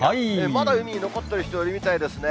まだ海に残っている人、いるみたいですね。